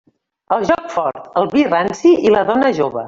El joc fort, el vi ranci i la dona jove.